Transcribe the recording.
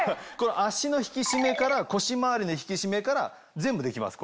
脚の引き締めから腰周りの引き締めから全部できます